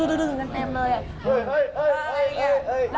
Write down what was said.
เดี๋ยวตื๊บกันเต็มเลย